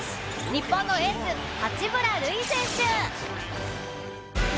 日本のエース八村塁選手。